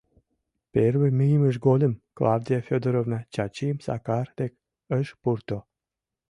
Первый мийымыж годым Клавдия Фёдоровна Чачим Сакар дек ыш пурто.